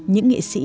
những nghệ sĩ